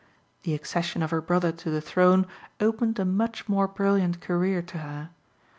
The accession of her brother to the throne opened a much more brilliant career to her.